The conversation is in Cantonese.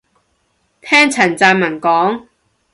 聽陳湛文講